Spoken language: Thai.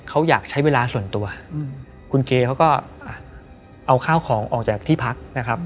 เขาอยากใช้เวลาส่วนตัวคุณเกเขาก็เอาข้าวของออกจากที่พักนะครับ